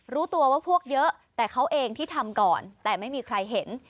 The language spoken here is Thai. รู้ตัวว่าพวกเยอะแต่เขาเองที่ทำก่อนแต่ไม่มีใครเห็น